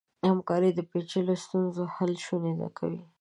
همکاري د پېچلو ستونزو حل شونی کوي.